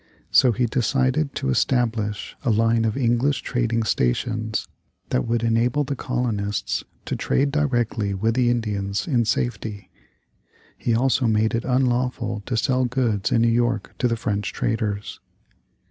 So he decided to establish a line of English trading stations that would enable the colonists to trade directly with the Indians in safety. He also made it unlawful to sell goods in New York to the French traders.